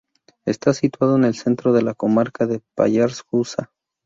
Está situado en el centro de la comarca del Pallars Jussá.